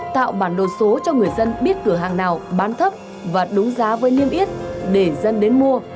tạo bản đồ số cho người dân biết cửa hàng nào bán thấp và đúng giá với niêm yết để dân đến mua